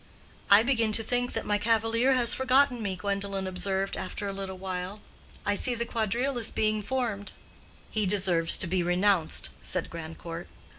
"I begin to think that my cavalier has forgotten me," Gwendolen observed after a little while. "I see the quadrille is being formed." "He deserves to be renounced," said Grandcourt.